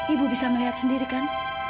ibu bisa melihat sendiri kan